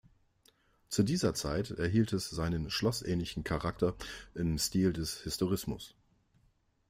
Zu dieser Zeit erhielt es seinen schlossähnlichen Charakter im Stil des Historismus.